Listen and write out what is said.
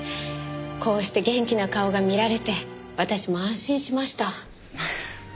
こうして元気な顔が見られて私も安心しました。